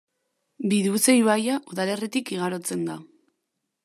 Biduze ibaia udalerritik igarotzen da.